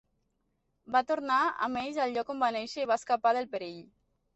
Va tornar amb ells al lloc on va néixer i va escapar del perill.